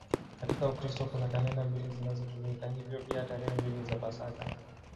Katika Ukristo kuna kalenda mbili zinazotumika, hivyo pia tarehe mbili za Pasaka.